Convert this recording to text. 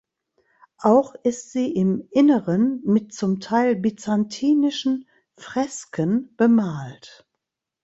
Auch ist sie im Inneren mit zum Teil byzantinischen Fresken bemalt.